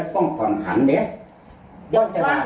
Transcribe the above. มันนี่รถกับท้ายรถมันนี่รถท้ายรถท้ายรถท้ายรถ